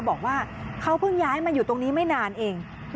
บอกว่าเขาเพิ่งย้ายมาอยู่ตรงนี้ไม่นานเอง